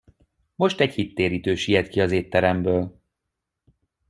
Most egy hittérítő siet ki az étteremből.